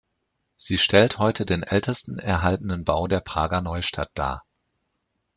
Sie stellt heute den ältesten erhaltenen Bau der Prager Neustadt dar.